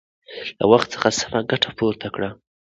له وخت څخه سمه ګټه پورته کړئ.